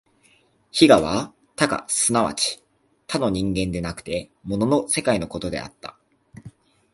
非我は他我即ち他の人間でなくて物の世界のことであった。